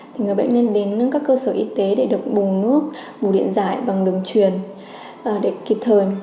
thì người bệnh nên đến các cơ sở y tế để được bùng nước bù điện giải bằng đường truyền để kịp thời